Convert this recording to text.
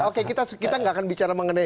oke kita gak akan bicara mengenai